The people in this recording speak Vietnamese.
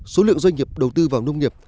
số lượng doanh nghiệp đầu tư vào nông nghiệp